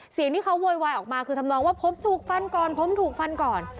เสียงที่เขาโวยวายออกมาคือทำนองว่าผมถูกฟันก่อนผมถูกฟันก่อน